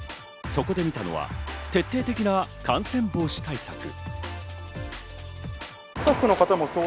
そこで見たのは徹底的な感染防止対策。